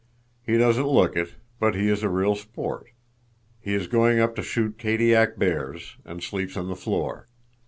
"He doesn't look it, but he is a real sport. He is going up to shoot Kadiak bears, and sleeps on the floor.